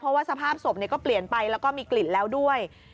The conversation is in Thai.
เพราะว่าสภาพศพก็เปลี่ยนไปแล้วก็มีกลิ่นแล้วด้วย